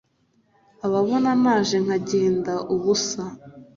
Ababona naje nkagenda ubusa,